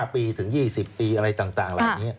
๑๕ปีถึง๒๐ปีอะไรต่าง